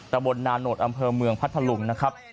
ตะบนนาโนธอำเภอเมืองพัทธลุงนะครับ